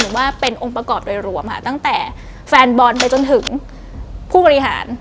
ว่าเป็นองค์ประกอบโดยรวมค่ะตั้งแต่แฟนบอลไปจนถึงผู้บริหาร